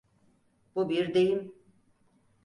Bu bir deyim.